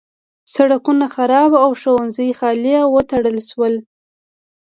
سړکونه خراب او ښوونځي خالي او وتړل شول.